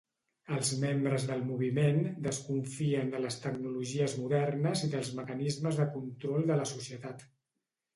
Els membres del moviment desconfien de les tecnologies modernes i dels mecanismes de control de la societat.